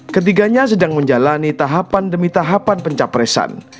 ketiganya sedang menjalani tahapan demi tahapan pencapresan